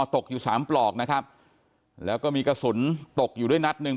ตกอยู่สามปลอกนะครับแล้วก็มีกระสุนตกอยู่ด้วยนัดหนึ่ง